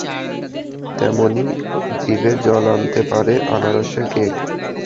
তেমনই জিভে জল আনতে পারে আনারসের কেক।